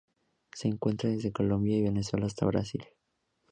Se encuentra desde Colombia y Venezuela hasta Brasil.